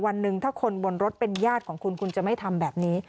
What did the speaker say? วันหนึ่งถ้าคนบนรถเป็นญาติของคุณคุณจะไม่ทำแบบนี้